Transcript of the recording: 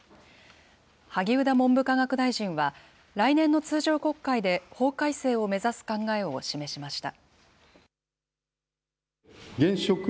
萩生田文部科学大臣は、来年の通常国会で法改正を目指す考えを示しました。